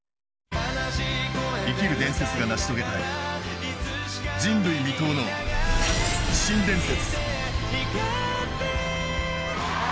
生きる伝説が成し遂げたい人類未踏の新伝説。